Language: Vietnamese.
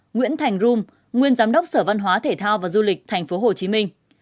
ba nguyễn thành rùm nguyên giám đốc sở văn hóa thể thao và du lịch tp hcm